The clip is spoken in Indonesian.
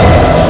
itu udah gila